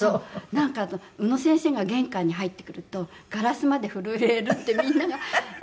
なんか宇野先生が玄関に入ってくるとガラスまで震えるってみんながそう言ってました。